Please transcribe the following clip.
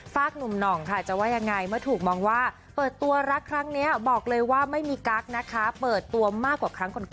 หนุ่มหน่องค่ะจะว่ายังไงเมื่อถูกมองว่าเปิดตัวรักครั้งนี้บอกเลยว่าไม่มีกั๊กนะคะเปิดตัวมากกว่าครั้งก่อน